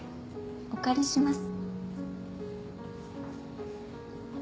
お借りします。